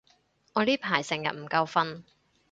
我呢排成日唔夠瞓